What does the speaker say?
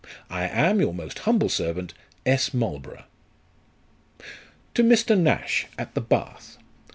I am your most humble servant, "S. MARLBOROTTGH." " To Mr. NASH, at the Bath.